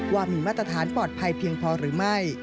ว่ามีมาตรฐานปลอดภัยเพียงพอหรือไม่